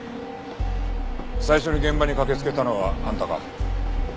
最初に現場に駆けつけたのはあんたか？